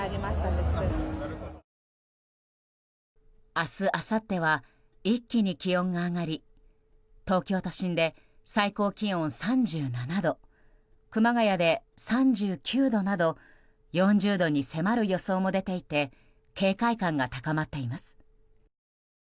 明日あさっては一気に気温が上がり東京都心で最高気温３７度熊谷で３９度など４０度に迫る予想も出ていて警戒感が高まっています。